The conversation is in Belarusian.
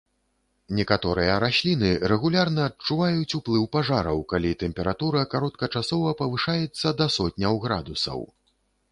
Некаторыя расліны рэгулярна адчуваюць уплыў пажараў, калі тэмпература кароткачасова павышаецца да сотняў градусаў.